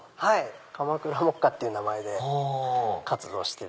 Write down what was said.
鎌倉木貨っていう名前で活動していて。